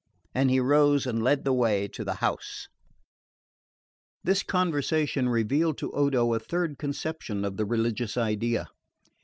And he rose and led the way to the house. This conversation revealed to Odo a third conception of the religious idea.